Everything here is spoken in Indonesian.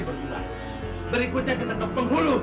berikan kucai kepada penghulu